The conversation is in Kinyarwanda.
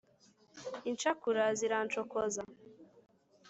incakura zirancokoza